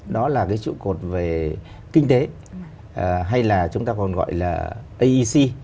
đó là cái trụ cột về kinh tế hay là chúng ta còn gọi là aec